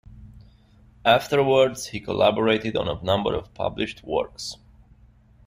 Afterwards he collaborated on a number of published works.